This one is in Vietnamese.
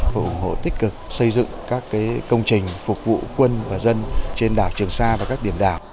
phụ hộ tích cực xây dựng các công trình phục vụ quân và dân trên đảo trường xa và các điểm đảo